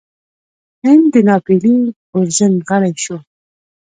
هند د ناپیيلي غورځنګ غړی شو.